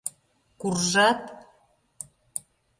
Куржат?